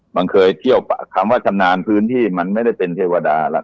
มันเคยเที่ยวคำว่าชำนาญพื้นที่มันไม่ได้เป็นเทวดาหรอก